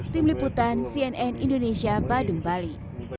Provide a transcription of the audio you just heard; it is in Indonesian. tim liputan cnn indonesia badung bali